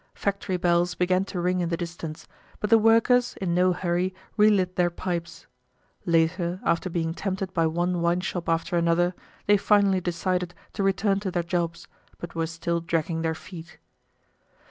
Factory bells began to ring in the distance, but the workers, in no hurry, relit their pipes. Later, after being tempted by one wineshop after another, they finally decided to return to their jobs, but were still dragging their feet.